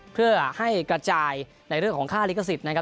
เพื่อให้กระจายในเรื่องของค่าลิขสิทธิ์นะครับ